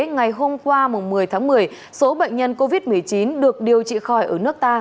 ngày hôm qua một mươi tháng một mươi số bệnh nhân covid một mươi chín được điều trị khỏi ở nước ta